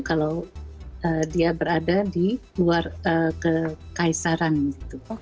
kalau dia berada di luar kekaisaran gitu